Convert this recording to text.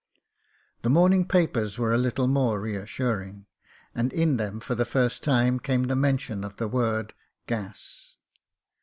The morning papers were a little more reassuring; and in them for the first time came the mention of the word "gas."